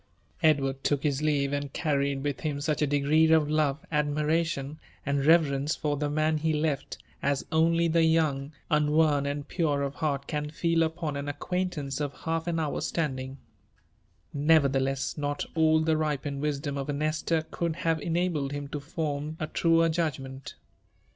'' £d v«rd look bis ]$vfe, aod (earriad with him su4^ a degree of |/9ve, lydmirjiUoQ, and rever^fied for the man ho toft, aa only the young, un w<H^B, and pij|« of heart can feel upon an aequaintaace ol hair*aa«^ bpur'a aUoding. Noyerthel^ss, not all the ripened wi&dom pf a Nestgr could have enabled him to form a truer judgment.